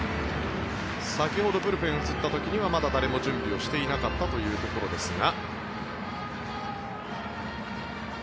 先ほど、ブルペンが映った時にはまだ誰も準備をしていなかったというところですが。